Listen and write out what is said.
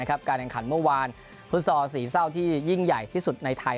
การแข่งขันเมื่อวานฟุตซอลสีเศร้าที่ยิ่งใหญ่ที่สุดในไทย